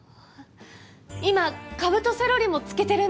今カブとセロリも漬けてるんです。